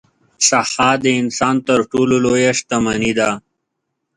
صحه د انسان تر ټولو لویه شتمني ده.